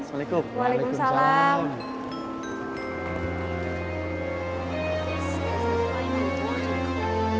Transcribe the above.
maka salam sehat